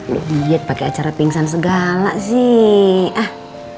loh diet pake acara pingsan segala sih